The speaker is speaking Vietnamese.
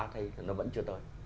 thì nó vẫn chưa tới